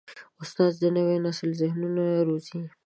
استاد د نوي نسل ذهنونه روزي.